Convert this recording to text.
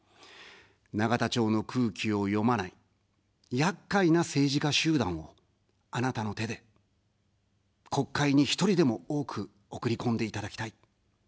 永田町の空気を読まない、やっかいな政治家集団を、あなたの手で、国会に１人でも多く送り込んでいただきたい。